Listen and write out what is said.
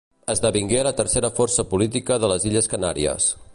Esdevingué la tercera força política de les Illes Canàries.